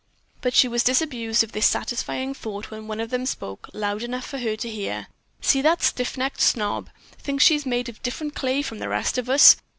But she was disabused of this satisfying thought when one of them spoke loud enough for her to hear. "See that stiff necked snob! She thinks she's made of different clay from the rest of us.